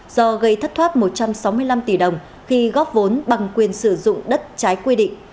do gây thất thoát một trăm sáu mươi năm tỷ đồng khi góp vốn bằng quyền sử dụng đất trái quy định